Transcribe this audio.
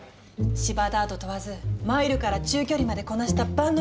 芝ダート問わずマイルから中距離までこなした万能Ｇ１馬。